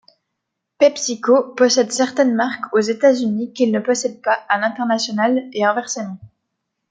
PepsiCo possède certaines marques aux États-Unis qu'il ne possède pas à l'international, et inversement.